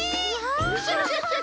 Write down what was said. クシャシャシャシャ！